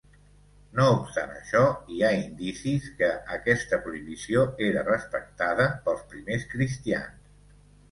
No obstant això, hi ha indicis que aquesta prohibició era respectada pels primers cristians.